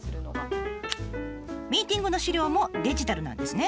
ミーティングの資料もデジタルなんですね。